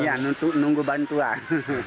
iya untuk nunggu bantuan